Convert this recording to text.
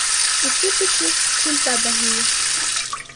Өфө кеше — шелтә даһийы.